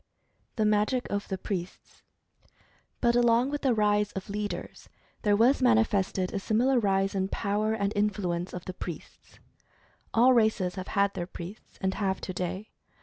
THE MAGIC OF THE PRIESTS. But along with the rise of leaders there was mani fested a similar rise in power and influence of the 23 24 Mental Fascination priests. All races have had their priests, and have to day.